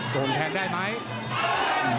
โดนแทงได้ไหม